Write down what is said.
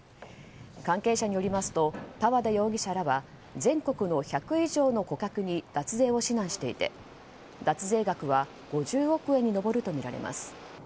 関係者によりますと多和田容疑者らは全国の１００以上の顧客に脱税を指南していて脱税額は５０億円に上るとみられます。